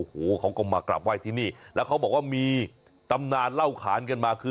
โอ้โหเขาก็มากราบไหว้ที่นี่แล้วเขาบอกว่ามีตำนานเล่าขานกันมาคือ